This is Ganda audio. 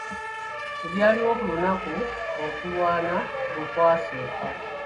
Ebyaliwo ku lunaku okulwana lwe kwasooka.